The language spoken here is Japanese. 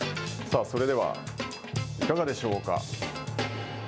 さあ、それではいかがでしょうか。